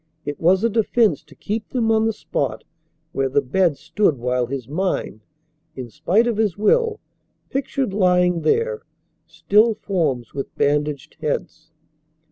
It was a defence to keep them on the spot where the bed stood while his mind, in spite of his will, pictured, lying there, still forms with bandaged heads.